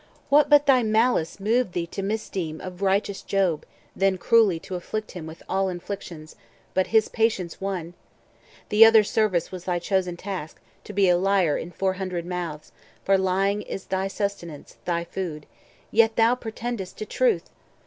What but thy malice moved thee to misdeem Of righteous Job, then cruelly to afflict him With all inflictions? but his patience won. The other service was thy chosen task, To be a liar in four hundred mouths; For lying is thy sustenance, thy food. Yet thou pretend'st to truth!